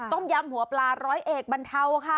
ต้มยำหัวปลาร้อยเอกบรรเทาค่ะ